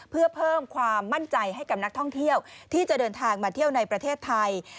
เพื่อเพิ่มความมั่นใจให้กับนักท่องเที่ยวที่จะเดินทางมาเที่ยวในประเทศไทย